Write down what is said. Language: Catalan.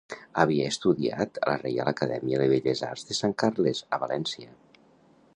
Havia estudiat a la Reial Acadèmia de Belles Arts de Sant Carles, a València.